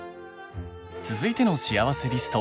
続いてのしあわせリスト